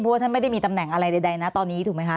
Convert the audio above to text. เพราะว่าท่านไม่ได้มีตำแหน่งอะไรใดนะตอนนี้ถูกไหมคะ